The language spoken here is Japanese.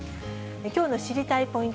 きょうの知りたいッ！